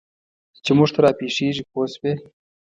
چې موږ ته را پېښېږي پوه شوې!.